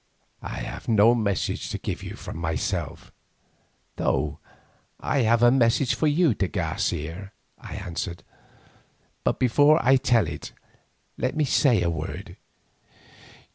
"I have no message to give you from myself, though I have a message for you, de Garcia," I answered. "But before I tell it, let me say a word.